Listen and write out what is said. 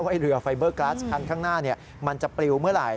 เรือไฟเบอร์กราสคันข้างหน้ามันจะปลิวเมื่อไหร่